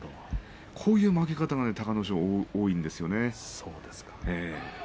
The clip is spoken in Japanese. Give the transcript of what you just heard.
こういう負け方が隆の勝多いんですよね。